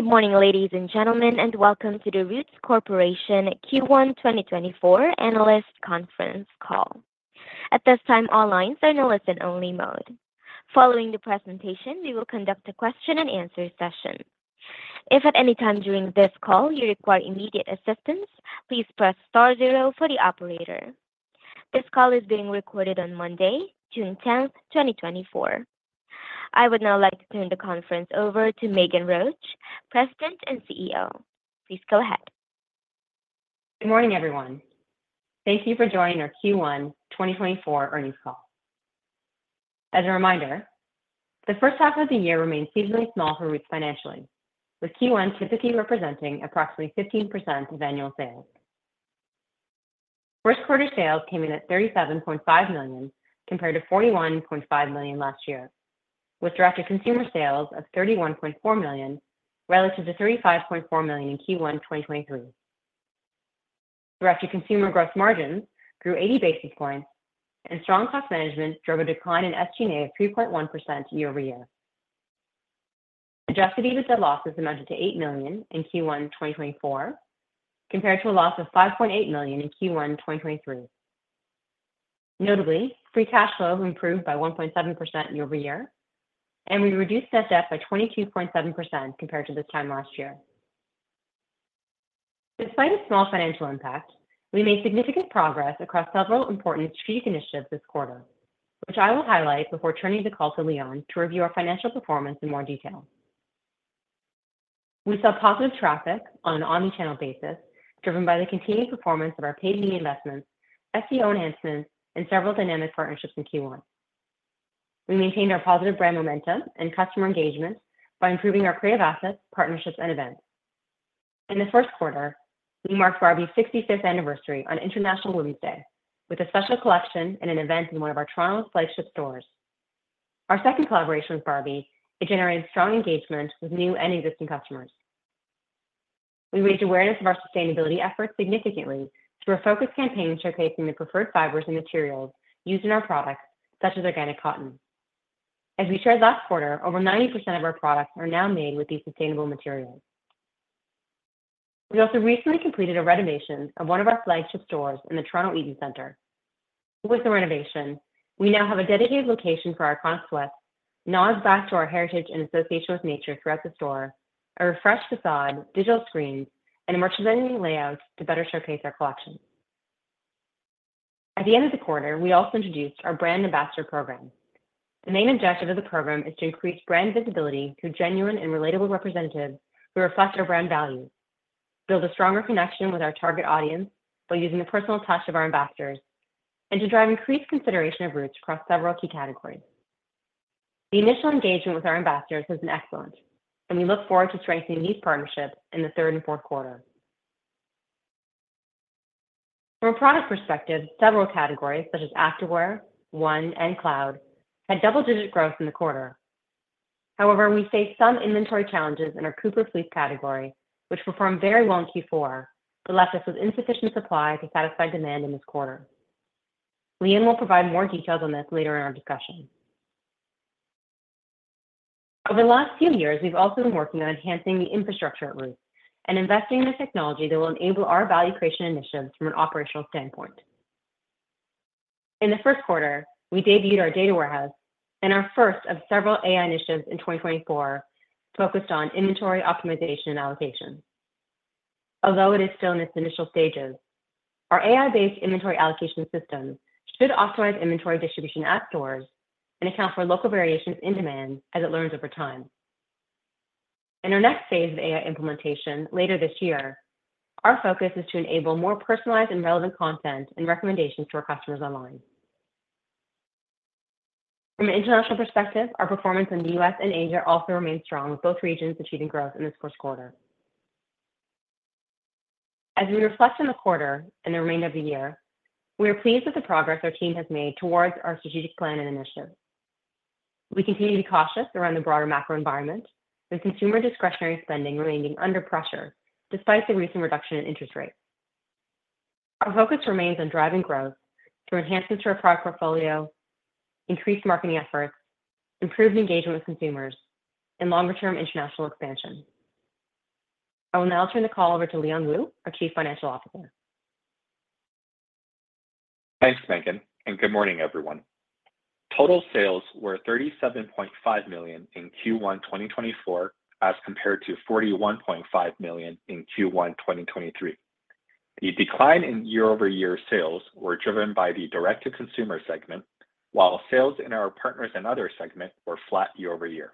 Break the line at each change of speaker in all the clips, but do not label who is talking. Good morning, ladies and gentlemen, and welcome to the Roots Corporation Q1 2024 Analyst Conference call. At this time, all lines are in a listen-only mode. Following the presentation, we will conduct a question-and-answer session. If at any time during this call you require immediate assistance, please press star zero for the operator. This call is being recorded on Monday, June 10th, 2024. I would now like to turn the conference over to Meghan Roach, President and CEO. Please go ahead.
Good morning, everyone. Thank you for joining our Q1 2024 earnings call. As a reminder, the first half of the year remained seasonally small for Roots, with Q1 typically representing approximately 15% of annual sales. First quarter sales came in at 37.5 million, compared to 41.5 million last year, with direct-to-consumer sales of 31.4 million relative to 35.4 million in Q1 2023. Direct-to-consumer gross margins grew 80 basis points, and strong cost management drove a decline in SG&A of 3.1% year-over-year. Adjusted EBITDA losses amounted to 8 million in Q1 2024, compared to a loss of 5.8 million in Q1 2023. Notably, free cash flow improved by 1.7% year-over-year, and we reduced net debt by 22.7% compared to this time last year. Despite a small financial impact, we made significant progress across several important strategic initiatives this quarter, which I will highlight before turning the call to Leon to review our financial performance in more detail. We saw positive traffic on an omnichannel basis, driven by the continued performance of our paid media investments, SEO enhancements, and several dynamic partnerships in Q1. We maintained our positive brand momentum and customer engagement by improving our creative assets, partnerships, and events. In the first quarter, we marked Barbie's 65th anniversary on International Women's Day, with a special collection and an event in one of our Toronto flagship stores. Our second collaboration with Barbie generated strong engagement with new and existing customers. We raised awareness of our sustainability efforts significantly through a focused campaign showcasing the preferred fibers and materials used in our products, such as organic cotton. As we shared last quarter, over 90% of our products are now made with these sustainable materials. We also recently completed a renovation of one of our flagship stores in the CF Toronto Eaton Centre. With the renovation, we now have a dedicated location for our iconic sweats, nods back to our heritage in association with nature throughout the store, a refreshed facade, digital screens, and a merchandising layout to better showcase our collection. At the end of the quarter, we also introduced our brand ambassador program. The main objective of the program is to increase brand visibility through genuine and relatable representatives who reflect our brand values, build a stronger connection with our target audience by using the personal touch of our ambassadors, and to drive increased consideration of Roots across several key categories. The initial engagement with our ambassadors has been excellent, and we look forward to strengthening these partnerships in the third and fourth quarter. From a product perspective, several categories such as Activewear, One, and Cloud had double-digit growth in the quarter. However, we faced some inventory challenges in our Cooper fleece category, which performed very well in Q4, but left us with insufficient supply to satisfy demand in this quarter. Leon will provide more details on this later in our discussion. Over the last few years, we've also been working on enhancing the infrastructure at Roots and investing in the technology that will enable our value creation initiatives from an operational standpoint. In the first quarter, we debuted our data warehouse and our first of several AI initiatives in 2024 focused on inventory optimization and allocation. Although it is still in its initial stages, our AI-based inventory allocation system should optimize inventory distribution at stores and account for local variations in demand as it learns over time. In our next phase of AI implementation later this year, our focus is to enable more personalized and relevant content and recommendations to our customers online. From an international perspective, our performance in the U.S. and Asia also remains strong, with both regions achieving growth in this first quarter. As we reflect on the quarter and the remainder of the year, we are pleased with the progress our team has made towards our strategic plan and initiative. We continue to be cautious around the broader macro environment, with consumer discretionary spending remaining under pressure despite the recent reduction in interest rates. Our focus remains on driving growth through enhancements to our product portfolio, increased marketing efforts, improved engagement with consumers, and longer-term international expansion. I will now turn the call over to Leon Wu, our Chief Financial Officer.
Thanks, Meghan, and good morning, everyone. Total sales were CAD 37.5 million in Q1 2024, as compared to CAD 41.5 million in Q1 2023. The decline in year-over-year sales was driven by the direct-to-consumer segment, while sales in our partners and other segments were flat year-over-year.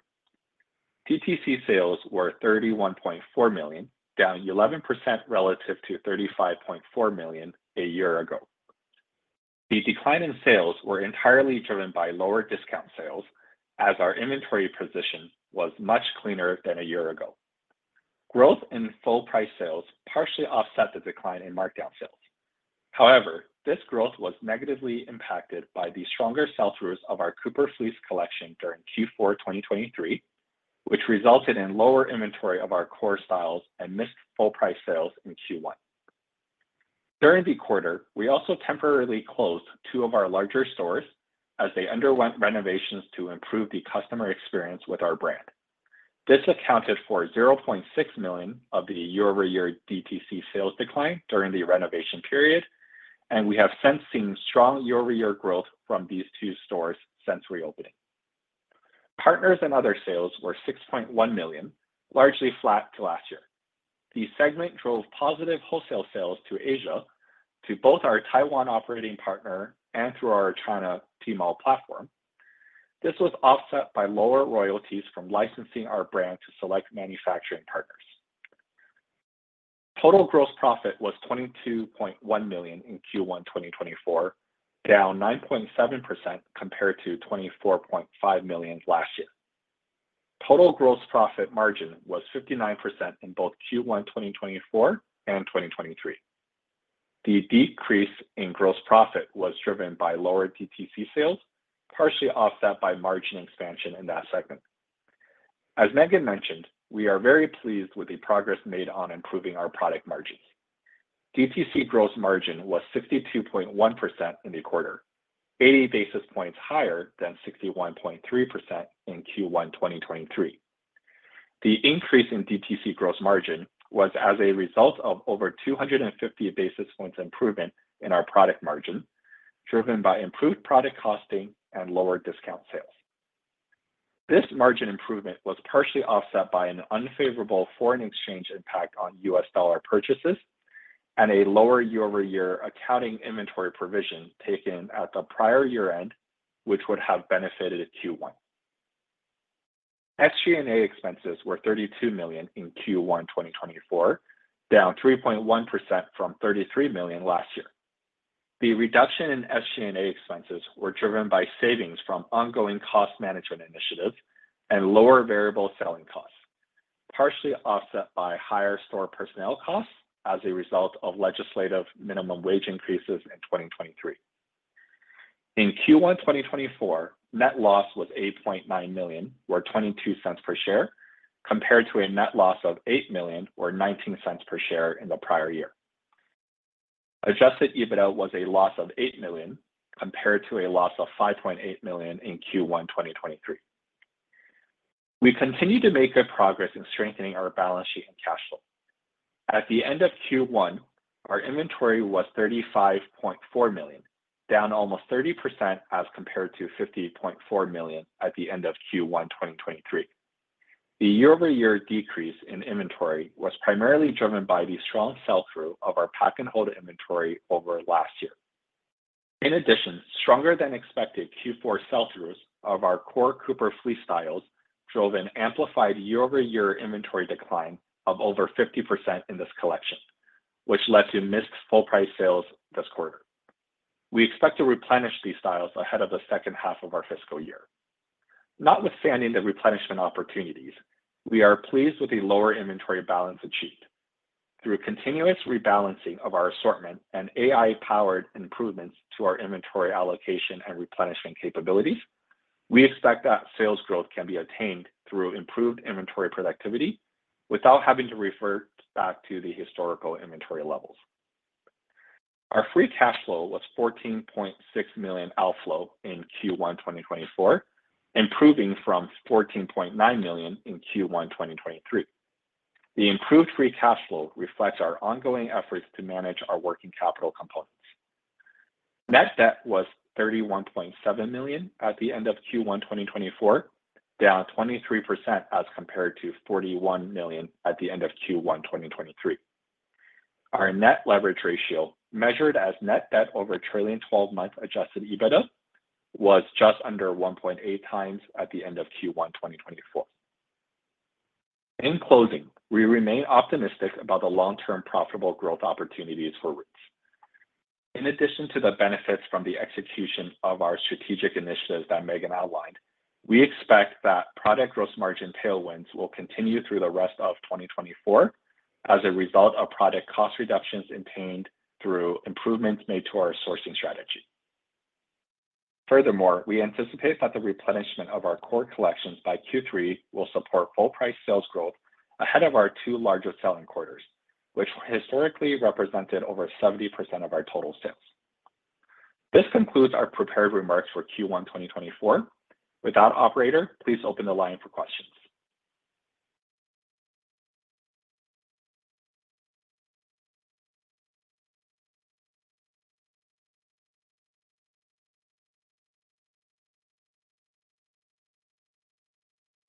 DTC sales were 31.4 million, down 11% relative to 35.4 million a year ago. The decline in sales was entirely driven by lower discount sales, as our inventory position was much cleaner than a year ago. Growth in full price sales partially offset the decline in markdown sales. However, this growth was negatively impacted by the stronger sell-throughs of our Cooper fleece collection during Q4 2023, which resulted in lower inventory of our core styles and missed full price sales in Q1. During the quarter, we also temporarily closed two of our larger stores as they underwent renovations to improve the customer experience with our brand. This accounted for 0.6 million of the year-over-year DTC sales decline during the renovation period, and we have since seen strong year-over-year growth from these two stores since reopening. Partners and other sales were 6.1 million, largely flat to last year. The segment drove positive wholesale sales to Asia, to both our Taiwan operating partner and through our China Tmall platform. This was offset by lower royalties from licensing our brand to select manufacturing partners. Total gross profit was 22.1 million in Q1 2024, down 9.7% compared to 24.5 million last year. Total gross profit margin was 59% in both Q1 2024 and 2023. The decrease in gross profit was driven by lower DTC sales, partially offset by margin expansion in that segment. As Meghan mentioned, we are very pleased with the progress made on improving our product margins. DTC gross margin was 62.1% in the quarter, 80 basis points higher than 61.3% in Q1 2023. The increase in DTC gross margin was as a result of over 250 basis points improvement in our product margin, driven by improved product costing and lower discount sales. This margin improvement was partially offset by an unfavorable foreign exchange impact on US dollar purchases and a lower year-over-year accounting inventory provision taken at the prior year-end, which would have benefited Q1. SG&A expenses were 32 million in Q1 2024, down 3.1% from 33 million last year. The reduction in SG&A expenses was driven by savings from ongoing cost management initiatives and lower variable selling costs, partially offset by higher store personnel costs as a result of legislative minimum wage increases in 2023. In Q1 2024, net loss was 8.9 million, or 0.22 per share, compared to a net loss of 8 million, or 0.19 per share in the prior year. Adjusted EBITDA was a loss of 8 million compared to a loss of 5.8 million in Q1 2023. We continue to make good progress in strengthening our balance sheet and cash flow. At the end of Q1, our inventory was 35.4 million, down almost 30% as compared to 50.4 million at the end of Q1 2023. The year-over-year decrease in inventory was primarily driven by the strong sell-through of our pack-and-hold inventory over last year. In addition, stronger-than-expected Q4 sell-throughs of our core Cooper fleece styles drove an amplified year-over-year inventory decline of over 50% in this collection, which led to missed full price sales this quarter. We expect to replenish these styles ahead of the second half of our fiscal year. Notwithstanding the replenishment opportunities, we are pleased with the lower inventory balance achieved. Through continuous rebalancing of our assortment and AI-powered improvements to our inventory allocation and replenishment capabilities, we expect that sales growth can be attained through improved inventory productivity without having to revert back to the historical inventory levels. Our free cash flow was 14.6 million outflow in Q1 2024, improving from 14.9 million in Q1 2023. The improved free cash flow reflects our ongoing efforts to manage our working capital components. Net debt was 31.7 million at the end of Q1 2024, down 23% as compared to 41 million at the end of Q1 2023. Our net leverage ratio, measured as net debt over trailing 12-month adjusted EBITDA, was just under 1.8 times at the end of Q1 2024. In closing, we remain optimistic about the long-term profitable growth opportunities for Roots. In addition to the benefits from the execution of our strategic initiatives that Meghan outlined, we expect that product gross margin tailwinds will continue through the rest of 2024 as a result of product cost reductions attained through improvements made to our sourcing strategy. Furthermore, we anticipate that the replenishment of our core collections by Q3 will support full price sales growth ahead of our two largest selling quarters, which historically represented over 70% of our total sales. This concludes our prepared remarks for Q1 2024. With that, operator, please open the line for questions.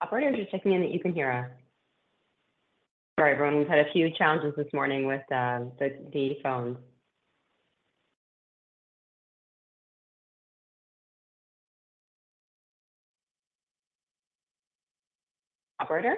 Operator, just checking in that you can hear us. Sorry, everyone. We've had a few challenges this morning with the phones. Operator?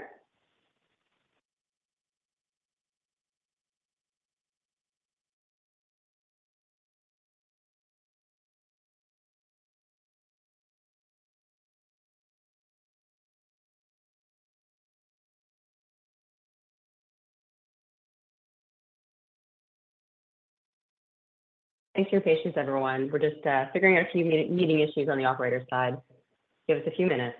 Thanks for your patience, everyone. We're just figuring out a few meeting issues on the operator's side. Give us a few minutes.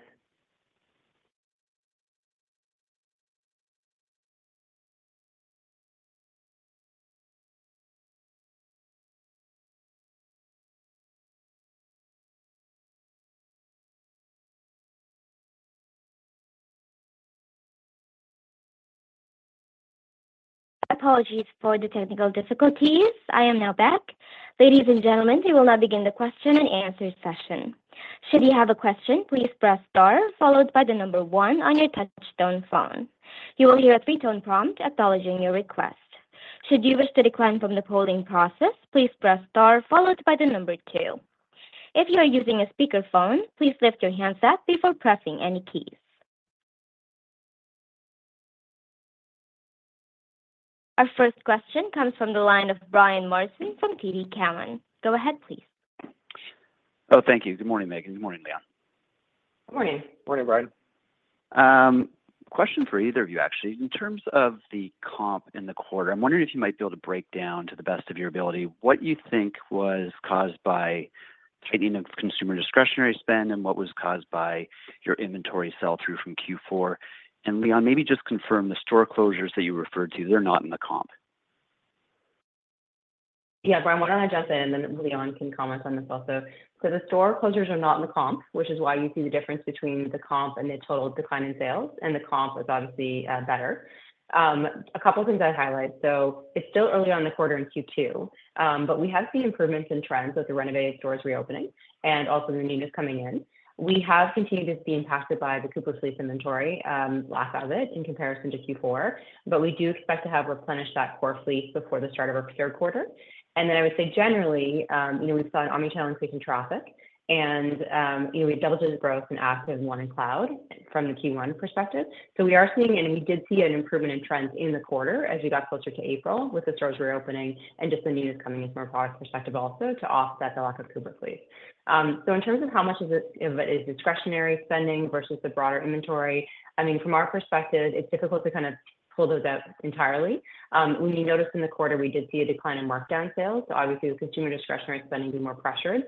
Apologies for the technical difficulties. I am now back. Ladies and gentlemen, we will now begin the question and answer session. Should you have a question, please press star, followed by the number one on your touch-tone phone. You will hear a three-tone prompt acknowledging your request. Should you wish to decline from the polling process, please press star, followed by the number 2. If you are using a speakerphone, please lift your handset up before pressing any keys. Our first question comes from the line of Brian Morrison from TD Cowen. Go ahead, please.
Oh, thank you. Good morning, Meghan. Good morning, Leon.
Good morning.
Morning, Brian.
Question for either of you, actually. In terms of the comp in the quarter, I'm wondering if you might be able to break down, to the best of your ability, what you think was caused by tightening of consumer discretionary spend and what was caused by your inventory sell-through from Q4. And Leon, maybe just confirm the store closures that you referred to. They're not in the comp.
Yeah, Brian, why don't I jump in, and then Leon can comment on this also. So the store closures are not in the comp, which is why you see the difference between the comp and the total decline in sales, and the comp is obviously better. A couple of things I'd highlight. So it's still early on in the quarter in Q2, but we have seen improvements in trends with the renovated stores reopening and also the newness coming in. We have continued to be impacted by the Cooper fleece inventory, last of it, in comparison to Q4, but we do expect to have replenished that core fleece before the start of our third quarter. And then I would say, generally, we saw an omnichannel increase in traffic, and we doubled the growth in app and online from the Q1 perspective. So we are seeing, and we did see an improvement in trends in the quarter as we got closer to April with the stores reopening and just the newness coming in from a product perspective also to offset the lack of Cooper fleece. So in terms of how much of it is discretionary spending versus the broader inventory, I mean, from our perspective, it's difficult to kind of pull those out entirely. We noticed in the quarter we did see a decline in markdown sales. So obviously, with consumer discretionary spending being more pressured,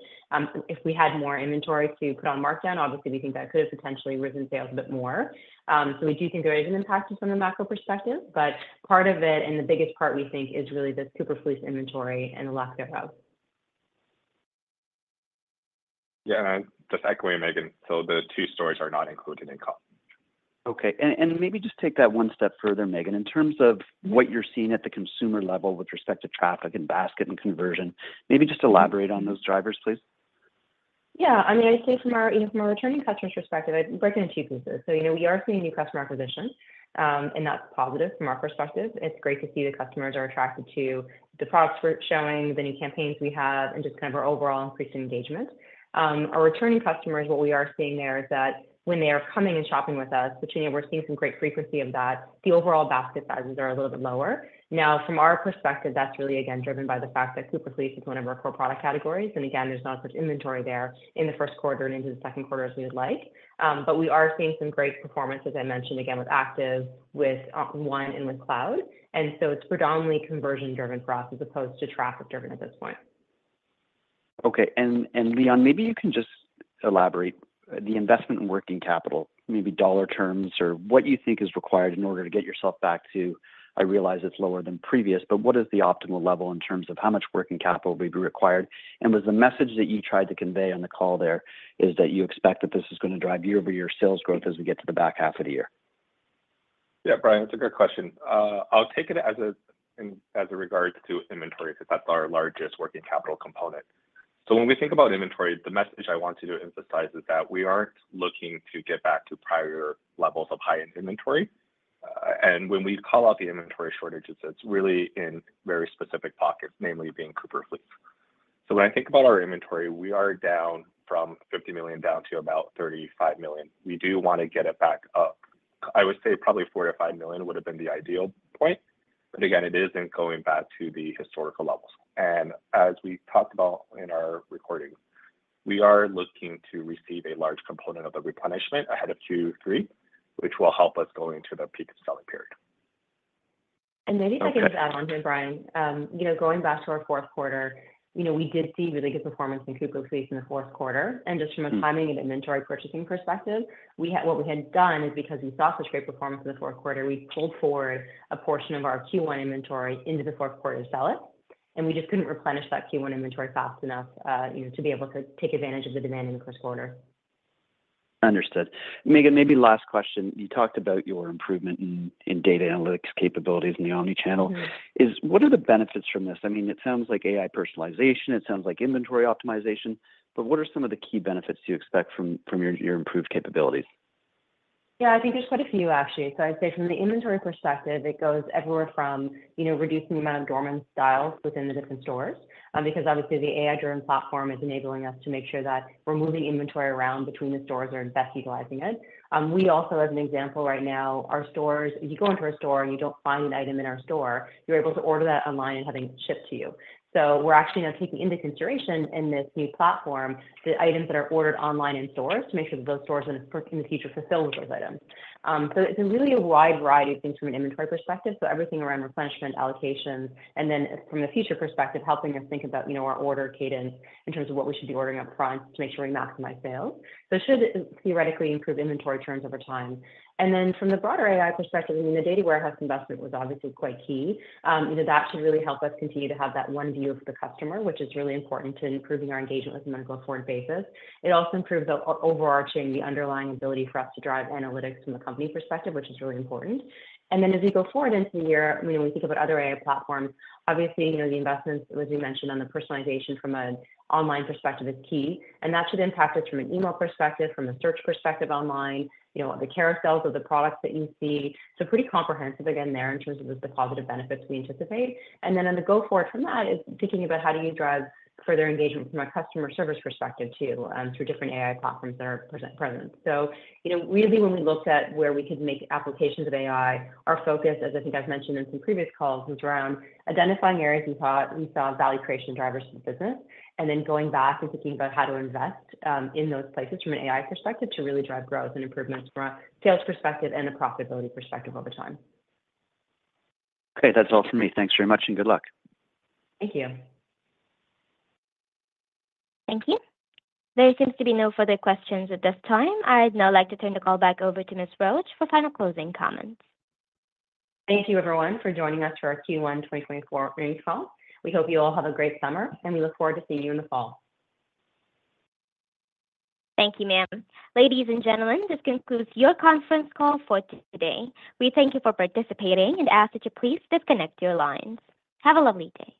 if we had more inventory to put on markdown, obviously, we think that could have potentially risen sales a bit more. So we do think there is an impact from the macro perspective, but part of it, and the biggest part, we think, is really the Cooper fleece inventory and the lack thereof.
Yeah, and just echoing Meghan, so the two stores are not included in comp.
Okay. And maybe just take that one step further, Meghan, in terms of what you're seeing at the consumer level with respect to traffic and basket and conversion. Maybe just elaborate on those drivers, please.
Yeah. I mean, I'd say from our returning customers' perspective, I'd break it into two pieces. So we are seeing new customer acquisition, and that's positive from our perspective. It's great to see that customers are attracted to the products we're showing, the new campaigns we have, and just kind of our overall increased engagement. Our returning customers, what we are seeing there is that when they are coming and shopping with us, which we're seeing some great frequency of that, the overall basket sizes are a little bit lower. Now, from our perspective, that's really, again, driven by the fact that Cooper fleece is one of our core product categories. And again, there's not as much inventory there in the first quarter and into the second quarter as we would like. But we are seeing some great performance, as I mentioned, again, with Active, with One, and with Cloud. And so it's predominantly conversion-driven for us as opposed to traffic-driven at this point.
Okay. And Leon, maybe you can just elaborate the investment in working capital, maybe dollar terms, or what you think is required in order to get yourself back to, I realize it's lower than previous, but what is the optimal level in terms of how much working capital will be required? And was the message that you tried to convey on the call there is that you expect that this is going to drive year-over-year sales growth as we get to the back half of the year?
Yeah, Brian, that's a good question. I'll take it as a regard to inventory because that's our largest working capital component. So when we think about inventory, the message I want to emphasize is that we aren't looking to get back to prior levels of high-end inventory. When we call out the inventory shortages, it's really in very specific pockets, namely being Cooper fleece. So when I think about our inventory, we are down from 50 million down to about 35 million. We do want to get it back up. I would say probably 4-5 million would have been the ideal point. But again, it isn't going back to the historical levels. As we talked about in our recording, we are looking to receive a large component of the replenishment ahead of Q3, which will help us go into the peak selling period.
Maybe if I can add on here, Brian, going back to our fourth quarter, we did see really good performance in Cooper fleece in the fourth quarter. Just from a timing and inventory purchasing perspective, what we had done is because we saw such great performance in the fourth quarter, we pulled forward a portion of our Q1 inventory into the fourth quarter sell-out, and we just couldn't replenish that Q1 inventory fast enough to be able to take advantage of the demand in the first quarter.
Understood. Meghan, maybe last question. You talked about your improvement in data analytics capabilities in the omnichannel. What are the benefits from this? I mean, it sounds like AI personalization. It sounds like inventory optimization. But what are some of the key benefits you expect from your improved capabilities?
Yeah, I think there's quite a few, actually. I'd say from the inventory perspective, it goes everywhere from reducing the amount of dormant styles within the different stores because, obviously, the AI-driven platform is enabling us to make sure that we're moving inventory around between the stores that are best utilizing it. We also, as an example, right now, our stores, if you go into our store and you don't find an item in our store, you're able to order that online and have it shipped to you. We're actually now taking into consideration in this new platform the items that are ordered online in stores to make sure that those stores in the future fulfill those items. It's really a wide variety of things from an inventory perspective. So everything around replenishment, allocations, and then from a future perspective, helping us think about our order cadence in terms of what we should be ordering upfront to make sure we maximize sales. So it should theoretically improve inventory terms over time. And then from the broader AI perspective, I mean, the data warehouse investment was obviously quite key. That should really help us continue to have that one view of the customer, which is really important to improving our engagement with them on a go-forward basis. It also improves overarching the underlying ability for us to drive analytics from a company perspective, which is really important. And then as we go forward into the year, when we think about other AI platforms, obviously, the investments, as you mentioned, on the personalization from an online perspective is key. That should impact us from an email perspective, from a search perspective online, the carousels of the products that you see. So pretty comprehensive, again, there in terms of the positive benefits we anticipate. And then on the go-forward from that is thinking about how do you drive further engagement from a customer service perspective too through different AI platforms that are present. So really, when we looked at where we could make applications of AI, our focus, as I think I've mentioned in some previous calls, was around identifying areas we saw value creation drivers for the business and then going back and thinking about how to invest in those places from an AI perspective to really drive growth and improvements from a sales perspective and a profitability perspective over time.
Okay. That's all for me. Thanks very much and good luck.
Thank you.
Thank you. There seems to be no further questions at this time. I'd now like to turn the call back over to Ms. Roach for final closing comments.
Thank you, everyone, for joining us for our Q1 2024 earnings call. We hope you all have a great summer, and we look forward to seeing you in the fall.
Thank you, ma'am. Ladies and gentlemen, this concludes your conference call for today. We thank you for participating and ask that you please disconnect your lines. Have a lovely day.